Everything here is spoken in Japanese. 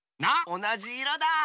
おなじいろだ！